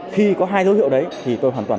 khi có hai dấu hiệu đấy thì tôi hoàn toàn